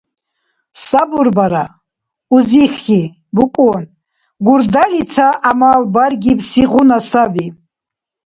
Сабур бара, узихьи букӀун, гурдали ца гӀямал баргибсигъуна саби.